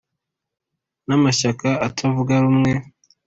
N amashyaka atavuga rumwe